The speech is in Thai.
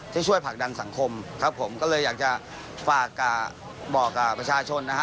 ช่วยผลักดันสังคมครับผมก็เลยอยากจะฝากบอกกับประชาชนนะฮะ